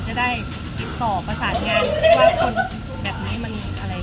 จะได้ติดต่อประสานงานว่าคนแบบนี้มันอะไร